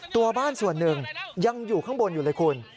ตัวบ้านส่วนหนึ่งยังอยู่ข้างบนอยู่เลยคุณ